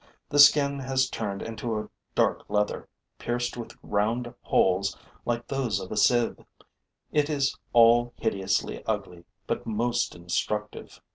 The skin has turned into a dark leather, pierced with round holes like those of a sieve. It is all hideously ugly, but most instructive.